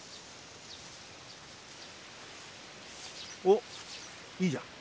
おっいいじゃん。